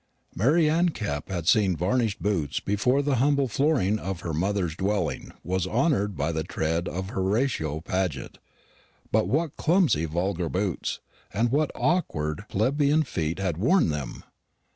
Mary Anne Kepp had seen varnished boots before the humble flooring of her mother's dwelling was honoured by the tread of Horatio Paget, but what clumsy vulgar boots, and what awkward plebeian feet had worn them!